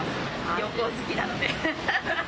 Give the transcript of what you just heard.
旅行好きなので。